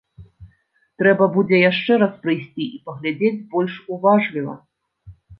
Трэба будзе яшчэ раз прыйсці і паглядзець больш уважліва.